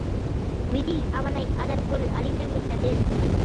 விதி அவனை அதற்குள் அழித்துவிட்டது.